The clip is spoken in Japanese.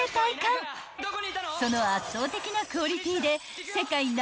［その圧倒的なクオリティーで世界Ｎｏ．１